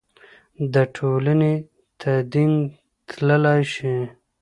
د ټولنې تدین تللای شي.